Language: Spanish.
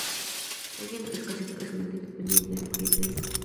Hoy en día la isla es casi totalmente dependiente del turismo.